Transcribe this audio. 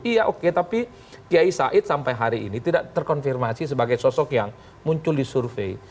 iya oke tapi kiai said sampai hari ini tidak terkonfirmasi sebagai sosok yang muncul di survei